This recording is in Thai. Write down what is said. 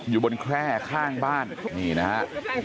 อยู่บนแคร่ข้างบ้านนี่นะฮะ